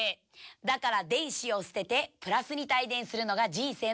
だから電子を捨てて＋に帯電するのが人生の喜び。